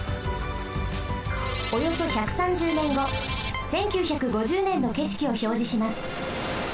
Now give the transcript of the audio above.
およそ１３０ねんご１９５０ねんのけしきをひょうじします。